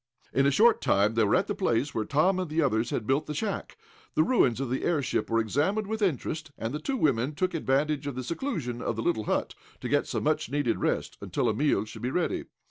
In a short time they were at the place where Tom and the others had built the shack. The ruins of the airship were examined with interest, and the two women took advantage of the seclusion of the little hut, to get some much needed rest until a meal should be ready.